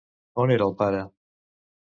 On era el pare?